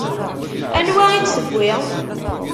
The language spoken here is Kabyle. Anwa i d-tewwi?